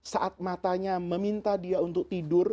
saat matanya meminta dia untuk tidur